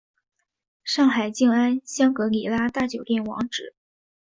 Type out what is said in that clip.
上海静安香格里拉大酒店网址